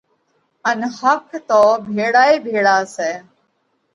ان ۿک تو ڀِيۯا ئي ڀيۯا سئہ۔